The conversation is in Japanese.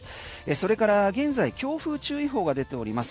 それから現在強風注意報が出ております。